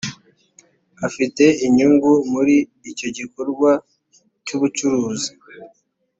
afite inyungu muri icyo gikorwa cy ubucuruzi